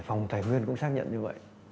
phòng thầy nguyên cũng xác nhận như vậy